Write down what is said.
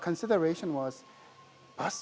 perhatian kedua adalah